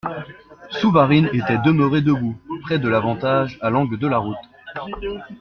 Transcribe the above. Souvarine était demeuré debout, près de l'Avantage, à l'angle de la route.